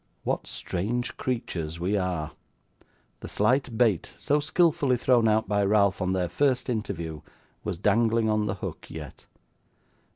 What strange creatures we are! The slight bait so skilfully thrown out by Ralph, on their first interview, was dangling on the hook yet.